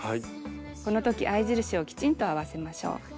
このとき合い印をきちんと合わせましょう。